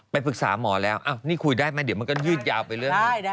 ปรึกษาหมอแล้วนี่คุยได้ไหมเดี๋ยวมันก็ยืดยาวไปเรื่อย